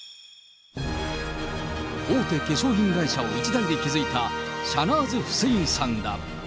大手化粧品会社を一代で築いたシャナーズ・フセインさんだ。